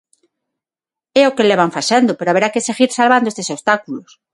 É o que levan facendo, pero haberá que seguir salvando estes obstáculos.